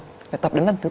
phải tập đến lần thứ tám